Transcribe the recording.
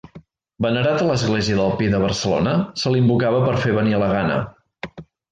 Venerat a l'església del Pi de Barcelona, se l'invocava per fer venir la gana.